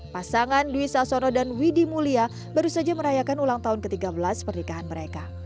pasangan dwi sasono dan widhi mulia baru saja merayakan ulang tahun ke tiga belas pernikahan mereka